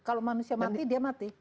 kalau manusia mati dia mati